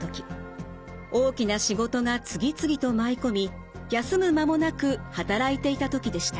大きな仕事が次々と舞い込み休む間もなく働いていた時でした。